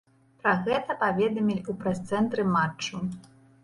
Пра гэта паведамілі ў прэс-цэнтры матчу.